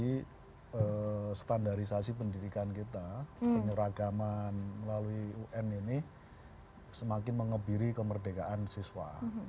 standarisasi pendidikan kita penyeragaman melalui un ini semakin mengebiri kemerdekaan siswa